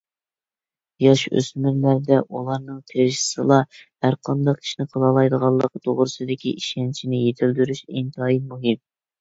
ياش-ئۆسمۈرلەردە ئۇلارنىڭ تىرىشسىلا ھەرقانداق ئىشنى قىلالايدىغانلىقى توغرىسىدىكى ئىشەنچىنى يېتىلدۈرۈش ئىنتايىن مۇھىم.